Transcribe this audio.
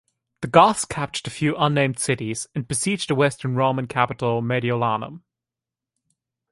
The Goths captured a few unnamed cities and besieged the Western Roman capital Mediolanum.